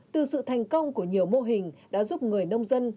từ sự thành công của nhiều mô hình đã giúp người nông dân